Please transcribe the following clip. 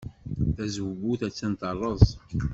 Tazewwut attan terreẓ.